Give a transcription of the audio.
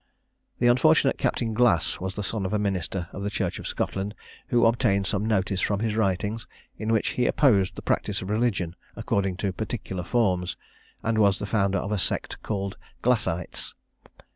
The unfortunate Captain Glass was the son of a minister of the Church of Scotland, who obtained some notice from his writings, in which he opposed the practice of religion according to particular forms, and was founder of a sect called Glassites.